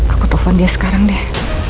aku telepon dia sekarang deh